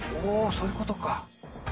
そういうことか。